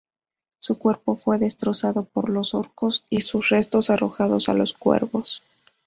Su cuerpo fue destrozado por los orcos y sus restos arrojados a los cuervos.